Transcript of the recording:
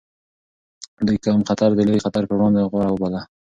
دوی کم خطر د لوی خطر پر وړاندې غوره وباله.